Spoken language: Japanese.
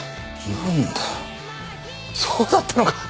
なんだそうだったのか！